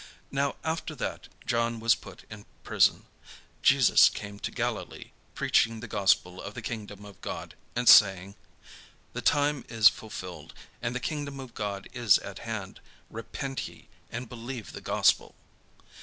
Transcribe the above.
Now after that John was put in prison, Jesus came into Galilee, preaching the gospel of the kingdom of God, and saying: "The time is fulfilled, and the kingdom of God is at hand: repent ye, and believe the gospel."